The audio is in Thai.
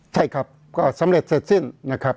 ใช่ครับก็สำเร็จเสร็จสิ้นนะครับ